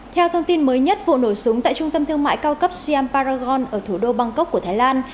theo thông tin mới nhất vụ nổ súng tại trung tâm thương mại cao cấp siam paragon ở thủ đô bangkok của thái lan